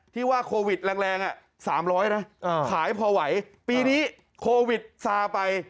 ที่ว่าโควิดแรง๓๐๐นะขายพอไหวปีนี้โควิดซาไป